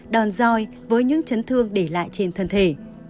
đòn roi với những chấn thương để lại trên thân thể